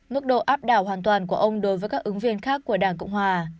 mức độ áp đảo hoàn toàn của ông đối với các ứng viên khác của đảng cộng hòa